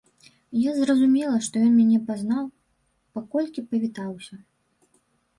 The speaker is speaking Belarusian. Я зразумела, што ён мяне пазнаў, паколькі павітаўся.